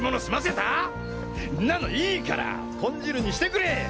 んなのいいから豚汁にしてくれ！